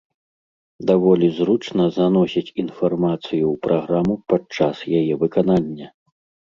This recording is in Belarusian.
Даволі зручна заносіць інфармацыю ў праграму падчас яе выканання.